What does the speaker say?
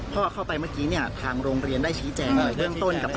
เข้าไปเมื่อกี้เนี่ยทางโรงเรียนได้ชี้แจงเบื้องต้นกับ